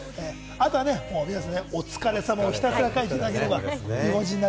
あとは皆さん「お疲れ様」とひたすら書いていただければ。